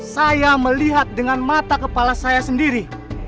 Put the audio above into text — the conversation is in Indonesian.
saya melihat dengan mata kepala saya sendiri